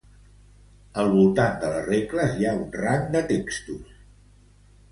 Al voltant de les regles hi ha un rang de textos.